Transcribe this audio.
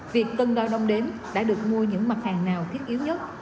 việc tân đo đông đếm đã được mua những mặt hàng nào thiết yếu nhất